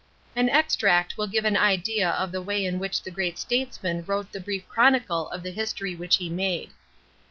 Au extract will give an idea of the way in which the great statesman wrote the brief chronicle of the history which he made.